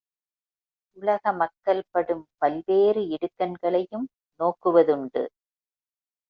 உலக மக்கள் படும் பல்வேறு இடுக்கண்களையும் நோக்குவதுண்டு.